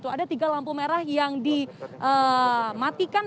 ada tiga lampu merah yang dimatikan